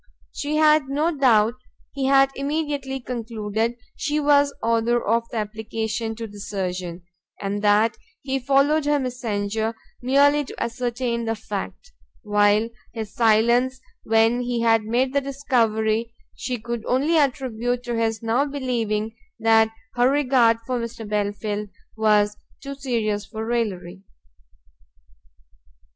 She had no doubt he had immediately concluded she was author of the application to the surgeon, and that he followed her messenger merely to ascertain the fact; while his silence when he had made the discovery, she could only attribute to his now believing that her regard for Mr Belfield was too serious for raillery.